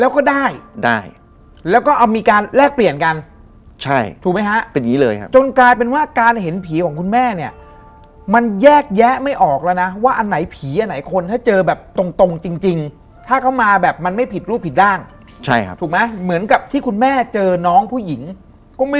เขาไปสร้างยังไงถูกไหมฮะ